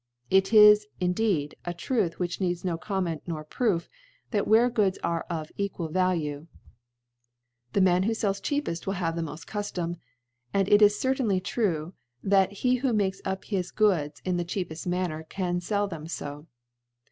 It is indeed a Truth which needs no Conunent nor Proof, that where Goods are of equal Value, the Man who fells cheapeit will have the moft Cqdom ; and it is as certainly true, that he who makes up his Goods in the cheapeft Manner, can fell them jfo.